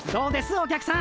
お客さん。